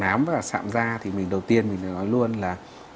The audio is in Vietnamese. nám và sạm da thì đầu tiên mình nói luôn là